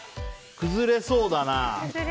崩れそうだな。